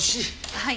はい。